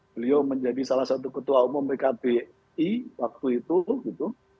beliau menjadi salah satu ketua umum pkbi waktu itu